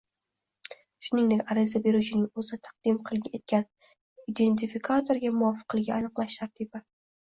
shuningdek ariza beruvchining o‘zi taqdim etgan identifikatorga muvofiqligini aniqlash tartibi